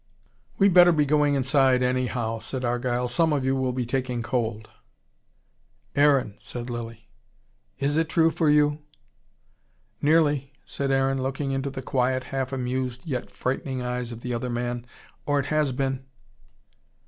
"We'd better be going inside, anyhow," said Argyle. "Some of you will be taking cold." "Aaron," said Lilly. "Is it true for you?" "Nearly," said Aaron, looking into the quiet, half amused, yet frightening eyes of the other man. "Or it has been."